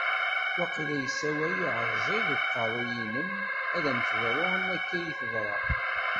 Waqila yessawal uɛeẓẓi deg uqerru-inem ad am-teḍru am akka i iyi-teḍra.